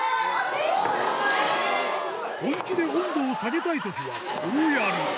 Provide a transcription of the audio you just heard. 本気で温度を下げたいときは、こうやる。